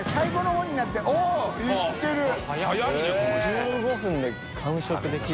１５分で完食できる。